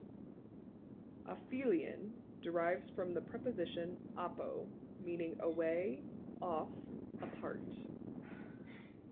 "Aphelion" derives from the preposition "apo", meaning "away, off, apart".